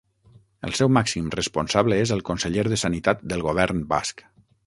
El seu màxim responsable és el Conseller de Sanitat del Govern Basc.